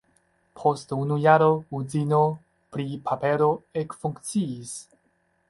Post unu jaro uzino pri papero ekfunkciis.